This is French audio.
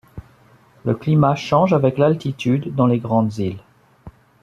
Le climat change avec l'altitude dans les grandes îles.